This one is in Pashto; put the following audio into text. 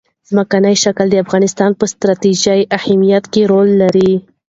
ځمکنی شکل د افغانستان په ستراتیژیک اهمیت کې رول لري.